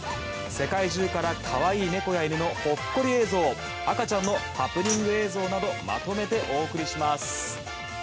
世界中から可愛い猫や犬のほっこり映像赤ちゃんのハプニング映像などまとめてお送りします。